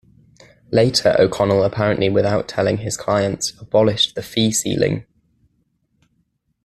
Later, O'Connell, apparently without telling his clients, abolished the fee ceiling.